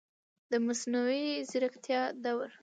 د مصنوعي ځیرکتیا دور